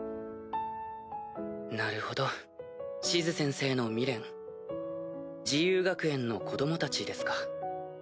なるほどシズ先生の未練自由学園の子供たちですか。